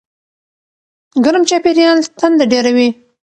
ګرم چاپېریال تنده ډېروي.